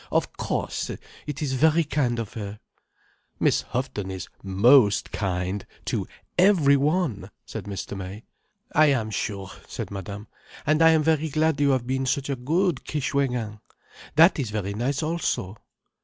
Of course! It is very kind of her." "Miss Houghton is most kind—to every one," said Mr. May. "I am sure," said Madame. "And I am very glad you have been such a good Kishwégin. That is very nice also."